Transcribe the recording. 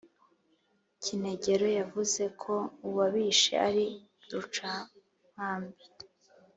Kinegero yavuze ko uwabishe ari Rucankambi.